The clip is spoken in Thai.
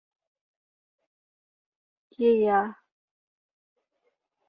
เกียร์